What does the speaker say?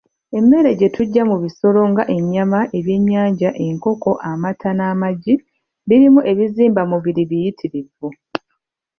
Emmere gye tujja mu bisolo nga ennyama, ebyenyanja, enkoko, amata, n'amagi birimu ebizimbamubiri biyitirivu.